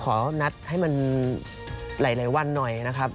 ขอนัดให้มันหลายวันหน่อยนะครับ